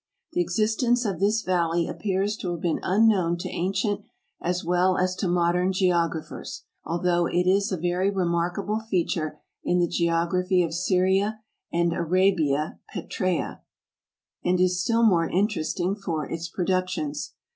The existence of this val ley appears to have been unknown to ancient as well as to modern geographers, although it is a very remarkable feature in the geography of Syria and Arabia Petraea, and is still more interesting for its productions.